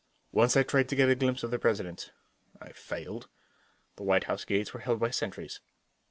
Once I tried to get a glimpse of the President. I failed. The White House gates were held by sentries.